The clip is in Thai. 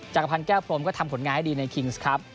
จักรพันธ์แก้วพรมก็ทำผลงานให้ดีในคิงส์ครับ